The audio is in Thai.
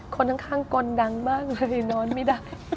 คนข้างกลดังมากเลยนอนไม่ได้